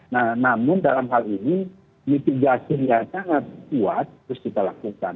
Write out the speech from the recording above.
nah namun dalam hal ini mitigasi yang sangat kuat terus kita lakukan